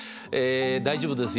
大丈夫ですよ。